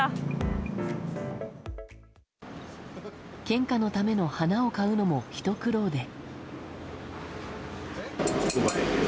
献花のための花を買うのもひと苦労で。